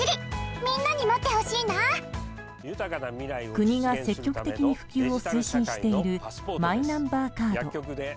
国が積極的に普及を推進しているマイナンバーカード。